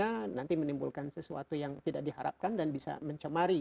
dan nanti menimbulkan sesuatu yang tidak diharapkan dan bisa mencemari